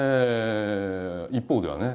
一方ではね